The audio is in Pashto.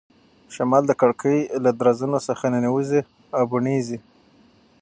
شمال د کړکۍ له درزونو څخه ننوځي او بڼیږي.